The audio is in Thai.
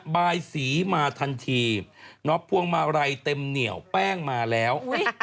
บายสีมาทันทีนอพวงมาลัยเต็มเหนียวแป้งมาแล้ว